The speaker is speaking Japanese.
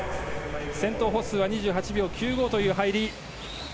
先頭、ホッスーは２８秒９５という入り。